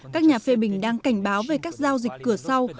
các nhà phê bình đang cảnh báo về các giao dịch cửa sau